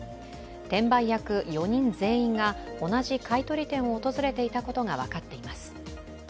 転売役４人全員が同じ買い取り店を訪れていたことが分かっています。